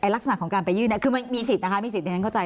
ลักษณะของการไปยื่นคือมันมีสิทธิ์นะคะมีสิทธิฉันเข้าใจ